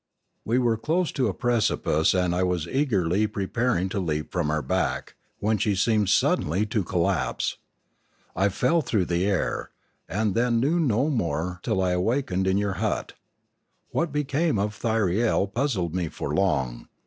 We were close to a precipice and I was eagerly pre paring to leap from her back, when she seemed sud denly to collapse. I fell through the air, and then knew no more till I awakened in your hut. What be came of Thyriel puzzled me for long.